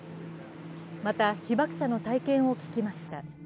また、被爆者の体験を聞きました。